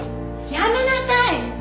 やめなさい